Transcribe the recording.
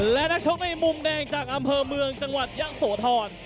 และนักชกในมุมแดงจากอำเภอเมืองจังหวัดยะโสธร